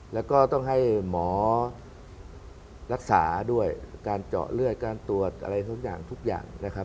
แล้วก็ต้องให้หมอรักษาด้วยการเจาะเลือดการตรวจอะไรทุกอย่างทุกอย่างนะครับ